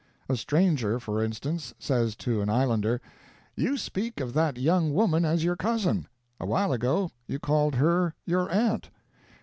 A stranger, for instance, says to an islander: "You speak of that young woman as your cousin; a while ago you called her your aunt."